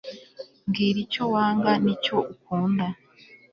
mbwira icyo wanga, n'icyo ukunda